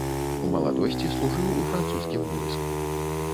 У маладосці служыў у французскім войску.